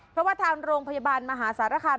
เพราะว่าทางโรงพยาบาลมหาสารคาม